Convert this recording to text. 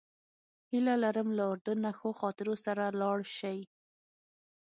هیله لرم له اردن نه ښو خاطرو سره لاړ شئ.